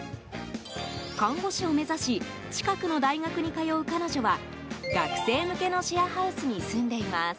看護師を目指し近くの大学に通う彼女は学生向けのシェアハウスに住んでいます。